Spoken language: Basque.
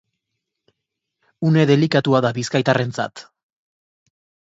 Une delikatua da bizkaitarrentzat.